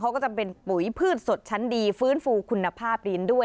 ก็จะเป็นปุ๋ยพืชสดชั้นดีฟื้นฟูคุณภาพดินด้วย